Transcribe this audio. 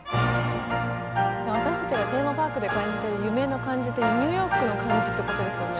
私たちがテーマパークで感じてる夢の感じってニューヨークの感じってことですよね。